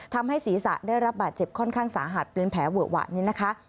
ทำให้ศีรษะได้รับบาดเจ็บค่อนข้างสาหัสเป็นแผลเวอะหวะนี่นะคะ